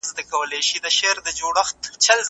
خو زموږ د خاورې دروېش بل رنګه دروېش دی